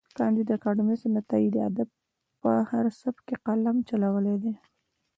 کانديد اکاډميسن عطايي د ادب په هر سبک کې قلم چلولی دی.